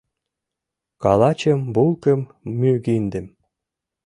Калачым, булкым, мӱгиндым...